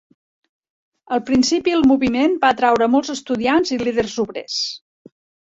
Al principi el moviment va atreure molts estudiants i líders obrers.